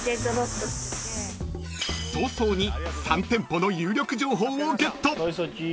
［早々に３店舗の有力情報をゲット］